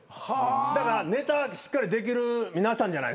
だからネタしっかりできる皆さんじゃないですか。